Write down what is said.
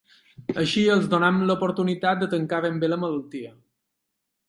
Així els donem l’oportunitat de tancar ben bé la malaltia.